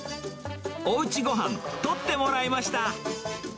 おうちごはん、撮ってもらいました。